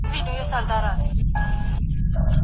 هر وخت چې تجربه شریکه شي، زیان به تکرار نه شي.